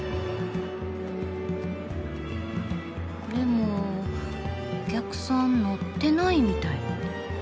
でもお客さん乗ってないみたい。